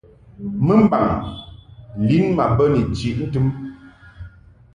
Mɨmbaŋ lin ma bə ni chiʼ ntɨm.